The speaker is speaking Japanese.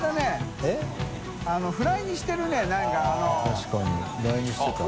確かにフライにしてた。